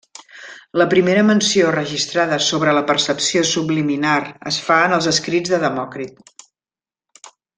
La primera menció registrada sobre la percepció subliminar es fa en els escrits de Demòcrit.